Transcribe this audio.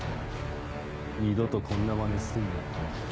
二度とこんなまねすんなよ。